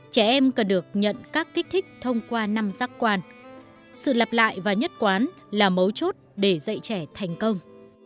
trẻ em cần được nhận các kích thích thông qua năm giác quan sự lặp lại và nhất quán là mấu chốt để dạy trẻ thành công